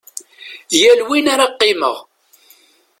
Yal win ara qqimeɣ.